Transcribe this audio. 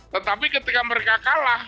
tetapi ketika mereka kalah